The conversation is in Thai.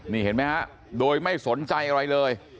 นี่เห็นไหมฮะโดยไม่สนใจอะไรเลย